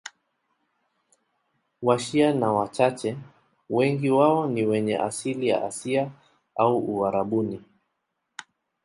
Washia ni wachache, wengi wao ni wenye asili ya Asia au Uarabuni.